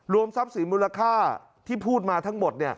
ทรัพย์สินมูลค่าที่พูดมาทั้งหมด